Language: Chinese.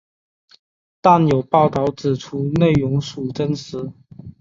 但有报导指出内容属真实。